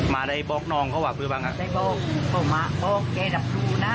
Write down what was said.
มาได้บอกน้องเขาว่าเพื่อบ้างอ่ะได้บอกเข้ามาบอกแกดับดูนะ